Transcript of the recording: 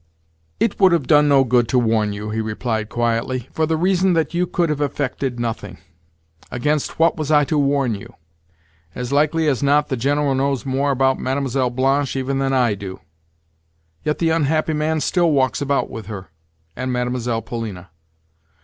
"It would have done no good to warn you," he replied quietly, "for the reason that you could have effected nothing. Against what was I to warn you? As likely as not, the General knows more about Mlle. Blanche even than I do; yet the unhappy man still walks about with her and Mlle. Polina.